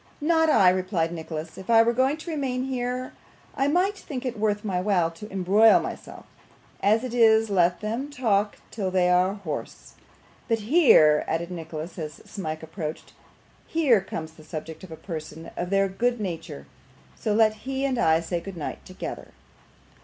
'Not I,' replied Nicholas. 'If I were going to remain here, I might think it worth my while to embroil myself. As it is, let them talk till they are hoarse. But here,' added Nicholas, as Smike approached, 'here comes the subject of a portion of their good nature, so let he and I say good night together.